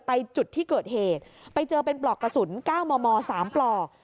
จุดที่เกิดเหตุไปเจอเป็นปลอกกระสุน๙มม๓ปลอก